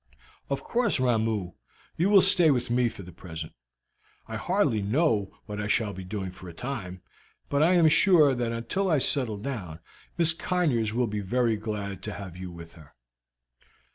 "Of course, Ramoo, you will stay with me for the present. I hardly know what I shall be doing for a time, but I am sure that until I settle down, Miss Conyers will be very glad to have you with her."